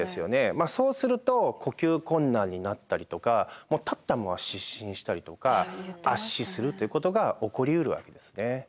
まあそうすると呼吸困難になったりとかもう立ったまま失神したりとか圧死するっていうことが起こりうるわけですね。